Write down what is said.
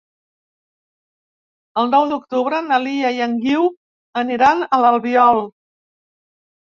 El nou d'octubre na Lia i en Guiu aniran a l'Albiol.